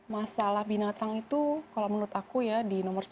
masalah binatang itu kalau menurut aku ya di nomor satu